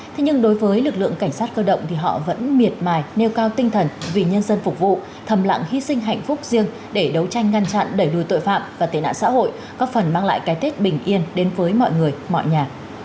thế nhưng đối với lực lượng cảnh sát cơ động thì họ vẫn miệt mài nêu cao tinh thần vì nhân dân phục vụ thầm lặng hy sinh hạnh phúc riêng để đấu tranh ngăn chặn đẩy lùi tội phạm và tệ nạn xã hội góp phần mang lại cái tết bình yên đến với mọi người mọi nhà